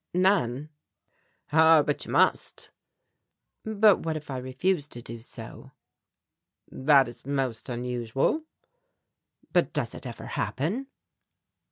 "None." "Ah, but you must." "But what if I refuse to do so?" "That is most unusual." "But does it ever happen?"